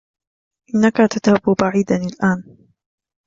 إنك تذهب بعيدا الآن.